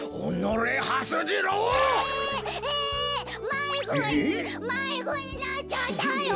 まいごにまいごになっちゃったよ！